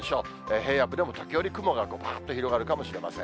平野部でも時折、雲がぱーっと広がるかもしれません。